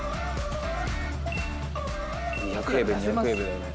２００平米２００平米だよね。